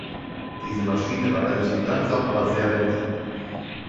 Diese Maschine war relativ langsam, aber sehr wendig.